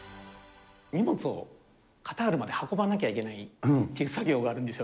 荷物をカタールまで運ばなきゃいけないという作業があるんですよ。